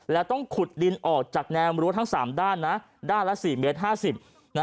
แล้วต้องขุดดินออกจากแนวรั้วทั้ง๓ด้านนะด้านละ๔เมตร๕๐